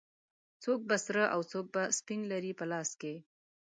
څوک به سره او څوک به سپین لري په لاس کې